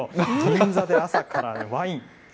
銀座で朝からワイン。